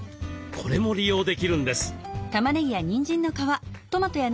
これも利用できるんです。